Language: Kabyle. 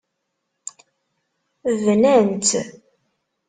Bnan-tt.